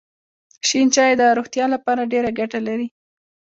شین چای د روغتیا لپاره ډېره ګټه لري.